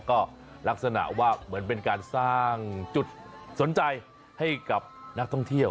ก็ลักษณะว่าเหมือนเป็นการสร้างจุดสนใจให้กับนักท่องเที่ยว